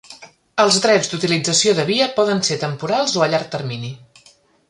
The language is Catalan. Els drets d'utilització de via poden ser temporals o a llarg termini.